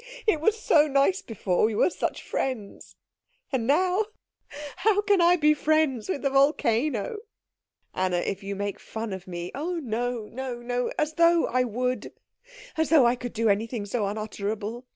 It was so nice before. We were such friends. And now how can I be friends with a volcano?" "Anna, if you make fun of me " "Oh no, no as though I would as though I could do anything so unutterable.